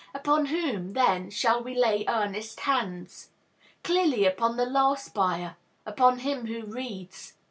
Upon whom, then, shall we lay earnest hands? Clearly, upon the last buyer, upon him who reads.